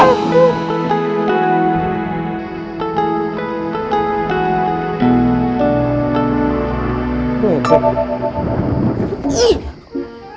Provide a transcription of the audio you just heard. lu ngodus kebiasa